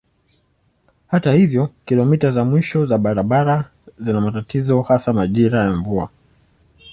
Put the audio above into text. Hata hivyo kilomita za mwisho za barabara zina matatizo hasa majira ya mvua.